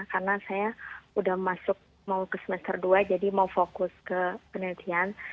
karena saya sudah masuk ke semester dua jadi mau fokus ke penelitian